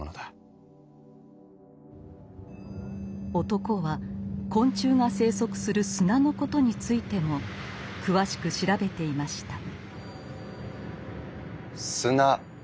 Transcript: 男は昆虫が棲息する砂のことについても詳しく調べていました。